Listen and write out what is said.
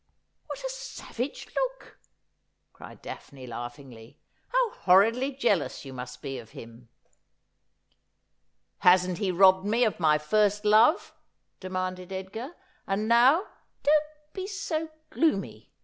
'What a savage look!' cried Daphne laughingly. 'How horridly jealous you must be of him !'' Hasn't he robbed me of my first love ?' demanded Edgar ;' and now '' Don't be so gloomy.